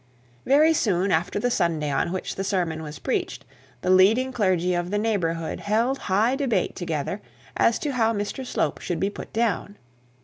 Very soon after the Sunday on which the sermon was preached, the leading clergy of the neighbourhood held high debate together as to how Mr Slope should be put down.